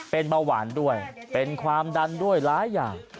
เป็นเบาหวานด้วยเป็นความดันด้วยหลายอย่าง